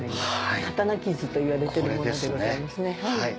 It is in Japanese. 刀傷といわれてるものでございますね。